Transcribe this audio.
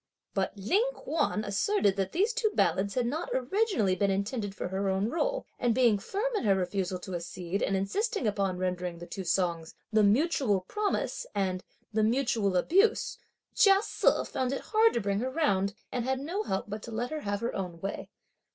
But Ling Kuan asserted that these two ballads had not originally been intended for her own role; and being firm in her refusal to accede and insisting upon rendering the two songs "The Mutual Promise" and "The Mutual Abuse," Chia Se found it hard to bring her round, and had no help but to let her have her own way.